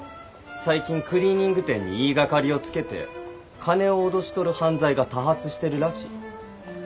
最近クリーニング店に言いがかりをつけて金を脅し取る犯罪が多発してるらしい。